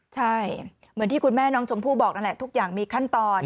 ใช่เหมือนที่คุณแม่น้องชมพู่บอกนั่นแหละทุกอย่างมีขั้นตอน